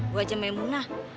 bu haja memunah